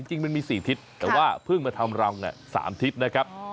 จริงมันมี๔ทิศแต่ว่าเพิ่งมาทำรัง๓ทิศนะครับ